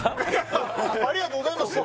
ありがとうございます